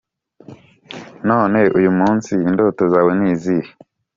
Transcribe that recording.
none uyu munsi indoto zawe ni izihe?